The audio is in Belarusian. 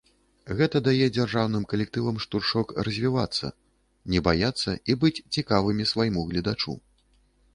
Гэта дае дзяржаўным калектывам штуршок развівацца, не баяцца і быць цікавымі свайму гледачу.